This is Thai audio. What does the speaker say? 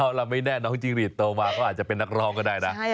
เอาล่ะไม่แน่น้องจิ้งรีดโตมาก็อาจจะเป็นนักร้องก็ได้นะ